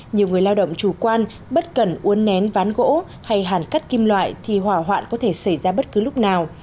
nhiều người lao động chủ quan bất cần uốn nén ván gỗ hay hàn cắt kim loại thì hỏa hoạn có thể xảy ra bất cứ lúc nào